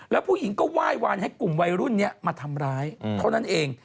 แล้วผู้หญิงก็ไหว้วานให้กลุ่มวัยรุ่นนี้มาทำร้ายเท่านั้นเอง